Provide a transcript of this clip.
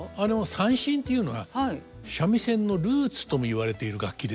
三線っていうのは三味線のルーツとも言われている楽器ですね。